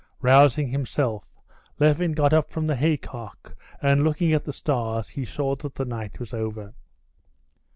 Rousing himself, Levin got up from the haycock, and looking at the stars, he saw that the night was over.